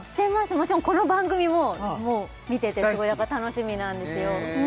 もちろんこの番組も見ててすごい楽しみなんですよへえ